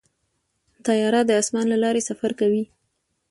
طیاره د اسمان له لارې سفر کوي.